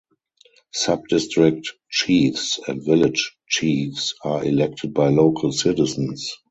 Subdistrict chiefs and village chiefs are elected by local citizens.